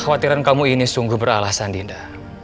kekhawatiran kamu ini sungguh beralasan dinda